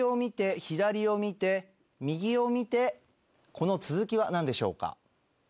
この続きは何でしょうか？